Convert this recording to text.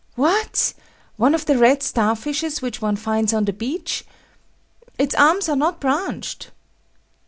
What! one of the red star fishes which one finds on the beach? Its arms are not branched.